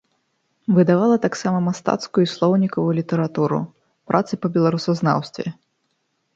Выдавала таксама мастацкую і слоўнікавую літаратуру, працы па беларусазнаўстве.